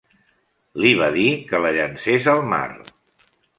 Li va dir que la llencés al mar.